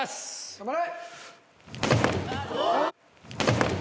・頑張れ！